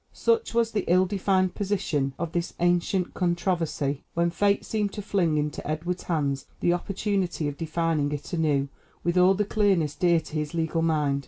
Such was the ill defined position of this ancient controversy, when fate seemed to fling into Edward's hands the opportunity of defining it anew with all the clearness dear to his legal mind.